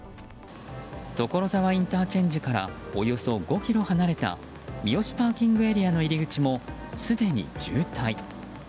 所沢ＩＣからおよそ５ｋｍ離れた三芳ＰＡの入り口もすでに渋滞。